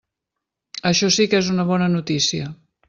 Això sí que és una bona notícia.